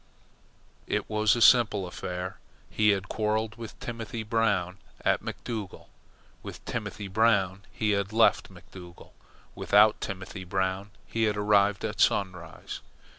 It was a simple affair. He had quarrelled with Timothy Brown at McDougall. With Timothy Brown he had left McDougall. Without Timothy Brown he had arrived at Sunrise.